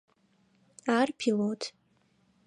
Ар пилот.